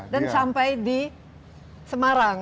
dan sampai di semarang